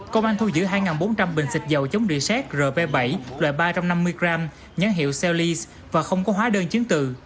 công an thu giữ hai bốn trăm linh bình xịt dầu chống rịa xét rv bảy loại ba trăm năm mươi gram nhãn hiệu cellis và không có hóa đơn chiến tử